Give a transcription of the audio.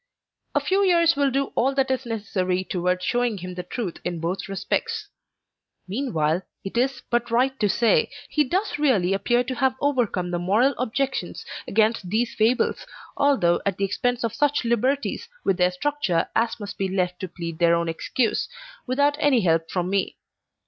A few years will do all that is necessary towards showing him the truth in both respects. Meanwhile, it is but right to say, he does really appear to have overcome the moral objections against these fables, although at the expense of such liberties with their structure as must be left to plead their own excuse, without any help from me.